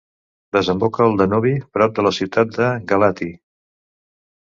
Desemboca al Danubi prop de la ciutat de Galaţi.